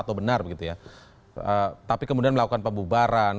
tetapi kemudian melakukan pembubaran